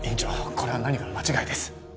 これは何かの間違いです